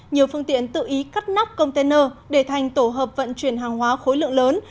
nhiều phương tiện tự ý cắt nắp container để thành tổ hợp vận chuyển hàng hóa khối lượng lớn